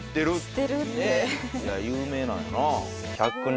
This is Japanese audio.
有名なんやな。